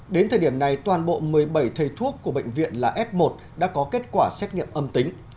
đến thời điểm này toàn bộ một mươi bảy thầy thuốc của bệnh viện là f một đã có kết quả xét nghiệm âm tính